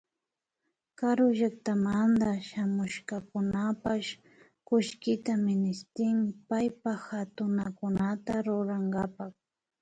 Karu llakatamanta shamushkakunapash kullkita ministin paypa hatunakunata rurankapak